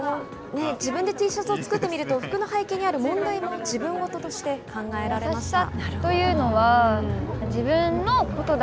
自分でＴシャツを作ってみると、服の背景にある問題も自分事として考えられました。